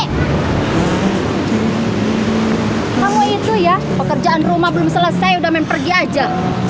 kalau itu ya pekerjaan rumah belum selesai udah main pergi aja